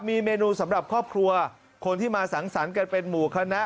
มีเมนูสำหรับครอบครัวคนที่มาสังสรรค์กันเป็นหมู่คณะ